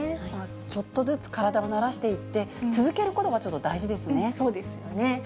ちょっとずつ体を慣らしていそうですよね。